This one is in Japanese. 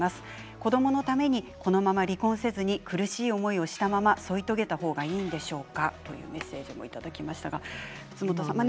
子どものためにこのまま離婚せずに苦しい思いをしたまま添い遂げた方がいいんでしょうかというメッセージもいただきました。